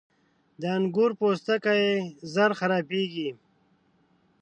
• د انګور پوستکی ژر خرابېږي.